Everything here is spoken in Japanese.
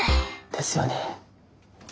ですよね。